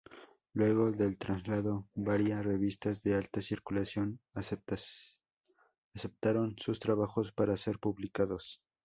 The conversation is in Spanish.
Luego del traslado, varias revistas de alta circulación aceptaron sus trabajos para ser publicados.